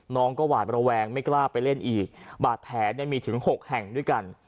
น้องก็หวาดระแวงไม่กล้าไปเล่นอีกบาดแผลเนี่ยมีถึง๖แห่งด้วยกัน